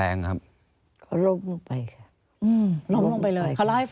อันดับ๖๓๕จัดใช้วิจิตร